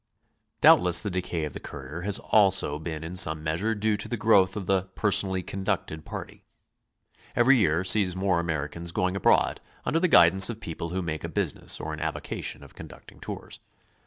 Doubtless the decay of the courier has also been in some measure due to the growth of the ^'personally conducted party. Every year sees more Americans going abroad under the guidance of people who make a business or an avocation of conducting tours.